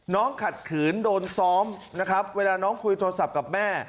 ขัดขืนโดนซ้อมนะครับเวลาน้องคุยโทรศัพท์กับแม่